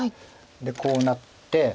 こうなって。